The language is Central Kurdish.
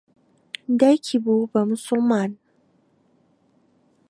دایکی بوو بە موسڵمان.